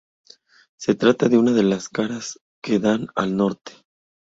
Se trata de una de las caras que dan al norte.